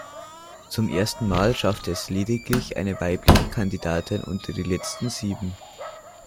Zum ersten Mal schaffte es lediglich eine weibliche Kandidatin unter die letzten sieben.